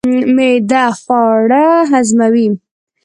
معده خواړه هضموي.